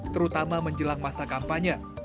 terutama menjelang masa kampanye